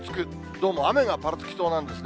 どうも雨がぱらつきそうなんですね。